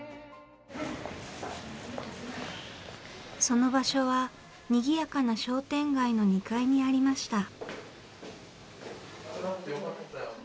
その場所はにぎやかな商店街の２階にありました。